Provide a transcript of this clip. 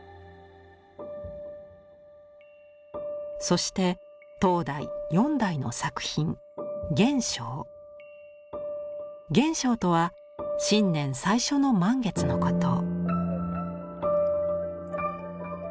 そして当代四代の作品「元宵」とは新年最初の満月のこと。